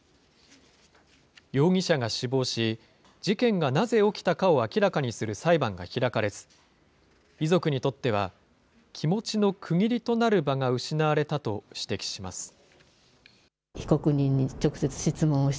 容疑者が死亡し、事件がなぜ起きたかを明らかにする裁判が開かれず、遺族にとっては、気持ちの区切りとなる場が失われたと指摘します。